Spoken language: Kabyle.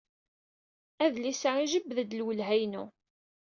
Adlis-a yejbed-d lwelha-inu.